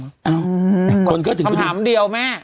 คนก็ถึงคำถามเดียวแม่